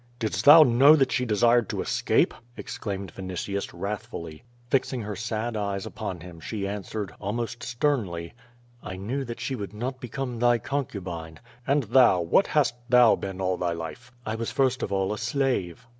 "Didst thou know that she desired to escape?" exclaimed Vinitius, wrathfuUy. Fixing her sad eyes upon him she answered, almost sternly: "I knew that she would not become thy concubine." "And thou, what hast thou been all thy life?" "I was first of all a slave."